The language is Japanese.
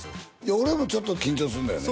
俺もちょっと緊張すんのよね